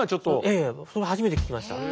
ええ初めて聞きました。